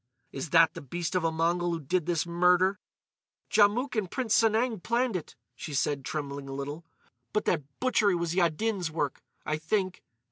"Is that the beast of a Mongol who did this murder?" "Djamouk and Prince Sanang planned it," she said, trembling a little. "But that butchery was Yaddin's work, I think.